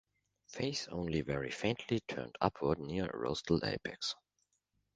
Face only very faintly turned upward near rostral apex.